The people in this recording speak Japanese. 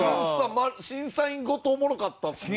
審査員ごとおもろかったですね。